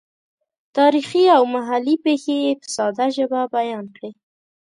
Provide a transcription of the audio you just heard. تاریخي او محلي پېښې یې په ساده ژبه بیان کړې.